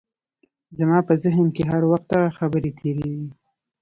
زما په ذهن کې هر وخت دغه خبرې تېرېدې